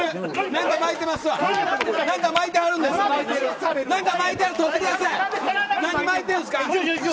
何、巻いてるんですか。